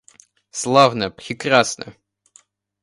Славно, прекрасно!